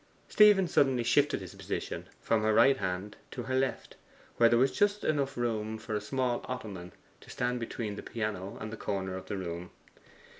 Stephen suddenly shifted his position from her right hand to her left, where there was just room enough for a small ottoman to stand between the piano and the corner of the room.